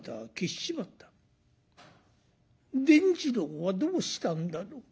「伝次郎はどうしたんだろう？